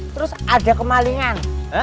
terus ada kemalingan